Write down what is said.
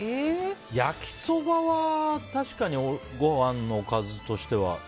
焼きそばは確かにご飯のおかずとしては。